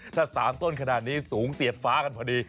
ถ้า๓ต้นขนาดนี้สูงเสียบฟ้ากันพอดี